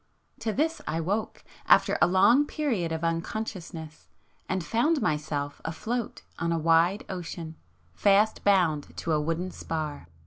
To this I woke, after a long period of unconsciousness, and found myself afloat on a wide ocean, fast bound to a wooden spar.